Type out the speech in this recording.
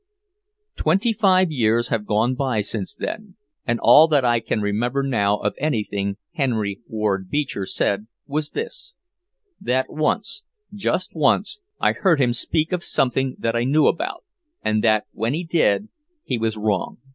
Twenty five years have gone since then, and all that I can remember now of anything Henry Ward Beecher said was this that once, just once, I heard him speak of something that I knew about, and that when he did he was wrong.